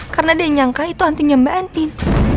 karena dia nyangka itu antingnya mbak andin